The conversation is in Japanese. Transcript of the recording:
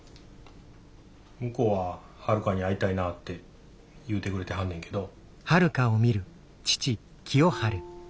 向こうははるかに会いたいなって言うてくれてはるねんけど。